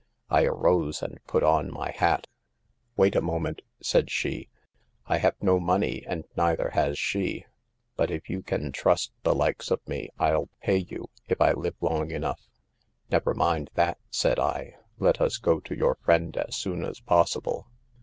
I arose and put on my hat. 44 4 Wait a moment,' said she, 4 I have no money and neither has she, but if you can trust the likes of me, I'll pay you if I live long enough/ 466 Never mind that,' said I ; 4 let us go to your friend as soon as possible.'